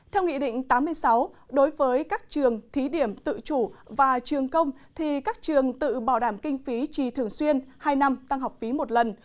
theo nghị định tám mươi sáu đối với các trường thí điểm tự chủ và trường công thì các trường tự bảo đảm kinh phí trì thường xuyên hai năm tăng học phí một lần